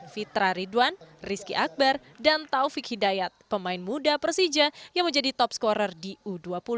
fitra ridwan rizky akbar dan taufik hidayat pemain muda persija yang menjadi top scorer di u dua puluh